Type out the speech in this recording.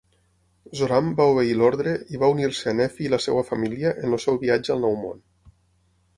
Zoram va obeir l'ordre i va unir-se a Nefi i la seva família en el seu viatge al Nou Món.